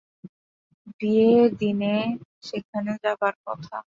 বিয়ের দিনে সেখানে যাবার কথা।